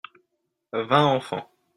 Vingt enfants.